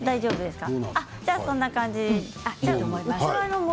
そんな感じですね。